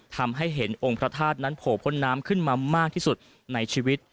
ทำให้เห็นองค์พระธาตุนั้นโผล่พ้นน้ำขึ้นมามากที่สุดในชีวิต